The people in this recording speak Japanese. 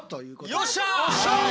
よっしゃ！